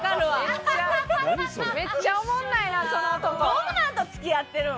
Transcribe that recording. どんなんと付き合ってるん？